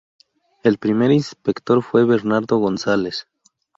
El primer inspector fue Bernardo Gonzales.